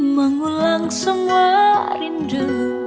mengulang semua rindu